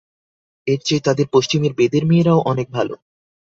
এর চেয়ে তাঁদের পশ্চিমের বেদের মেয়েরাও অনেক ভালো।